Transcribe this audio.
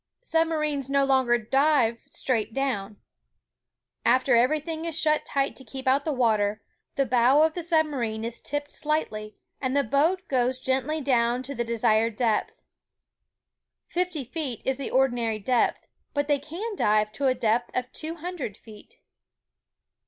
Submarines no longer dive straight down. After every thing is shut tight to keep out the water, the bow of the submarine is tipped slightly, and the boat gUdes gently down to the desired depth. Fifty feet is the ordinary depth, but they can dive to a depth of two hundred feet.